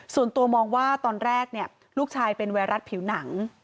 ส่วนตัวมองว่าตอนแรกลูกชายเป็นไวรัสผิวหนัง